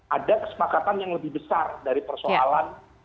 ada kesepakatan yang lebih besar dari persoalan